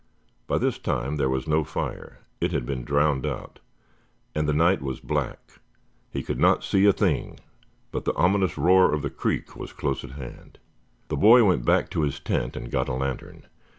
By this time there was no fire. It had been drowned out, and the night was black. He could not see a thing, but the ominous roar of the creek was close at hand. The boy went back to his tent and got a lantern.